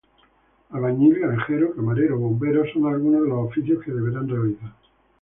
Albañil, granjero, camarero o bombero son algunos de los oficios que deberán realizar.